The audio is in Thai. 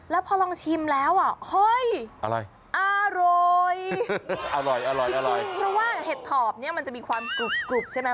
แล้วพอลองชิมแล้วโอ๊ยอร่อยเพราะว่าเห็ดถอบนี้มันจะมีความกรุบใช่ไหม